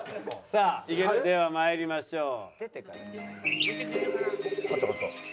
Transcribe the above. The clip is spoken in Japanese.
さあでは参りましょう。